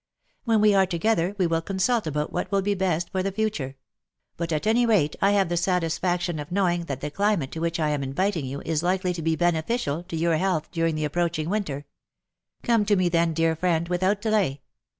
When we are together, we will consult about ■what will be best for the future ; but at any rate I have the satisfac tion of knowing that the climate to which I am inviting you is likely to be beneficial to your health during the approaching winter : come to me, then, dear friend, without delay.